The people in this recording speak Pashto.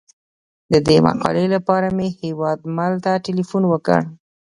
د دې مقالې لپاره مې هیوادمل ته تیلفون وکړ.